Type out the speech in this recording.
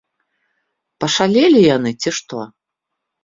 Пашалелі яны, ці што?